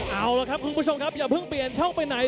เอาละครับคุณผู้ชมครับอย่าเพิ่งเปลี่ยนช่องไปไหน